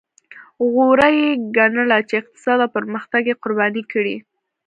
غوره یې ګڼله چې اقتصاد او پرمختګ یې قرباني کړي.